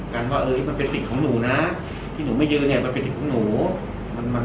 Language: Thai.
แล้วก็เลยเกิดแมนต่างสันธารสติตเลยนะครับ